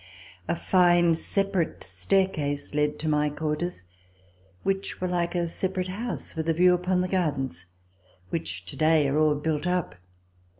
A fine separate stair case led to my quarters, which were like a separate house, with a view upon the gardens, which today are all built up.